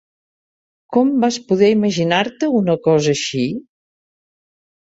Com vas poder imaginar-te una cosa així?